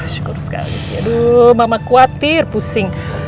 syukur sekali aduh mama khawatir pusing